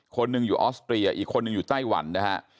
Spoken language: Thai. คนหนึ่งอยู่ออสเตรียอีกคนนึงอยู่ไต้หวันนะฮะ